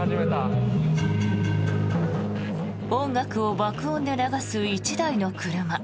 音楽を爆音で流す１台の車。